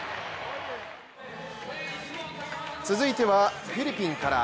続いてはフィリピンから。